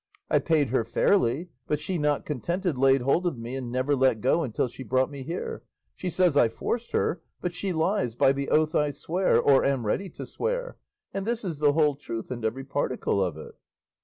I paid her fairly, but she not contented laid hold of me and never let go until she brought me here; she says I forced her, but she lies by the oath I swear or am ready to swear; and this is the whole truth and every particle of it."